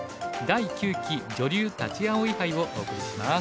第９期女流立葵杯」をお送りします。